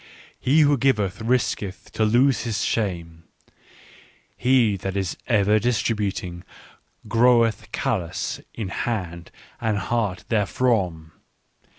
" He who giveth risketh to lose his shame ; he that is ever distributing groweth callous in hand and heart therefrom.